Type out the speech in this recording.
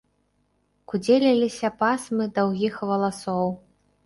Кудзеліліся пасмы даўгіх валасоў.